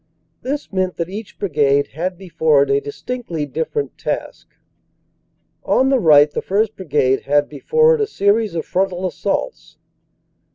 This meant that 229 230 CANADA S HUNDRED DAYS each brigade had before it a distinctly different task. On the right, the 1st. Brigade had before it a series of frontal assaults.